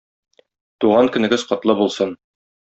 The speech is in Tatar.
Туган көнегез котлы булсын!